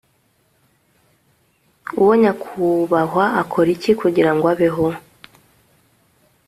Uwo nyakubahwa akora iki kugirango abeho